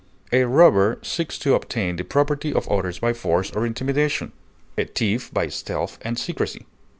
A robber seeks to obtain the property of others by force or intimidation; a thief by stealth and secrecy.